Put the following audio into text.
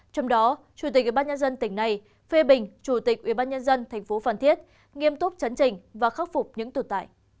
trong đó chủ tịch ubnd tỉnh này phê bình chủ tịch ubnd tp phan thiết nghiêm túc chấn trình và khắc phục những tồn tại